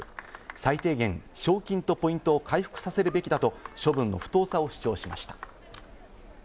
最低限、賞金とポイントを回復させるべきだと処分の不当さを主張しました。